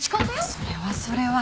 それはそれは。